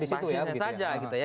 basisnya saja gitu ya